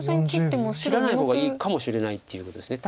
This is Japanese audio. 切らない方がいいかもしれないっていうことです。